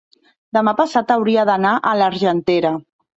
demà passat hauria d'anar a l'Argentera.